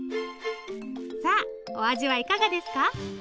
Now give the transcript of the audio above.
さあお味はいかがですか？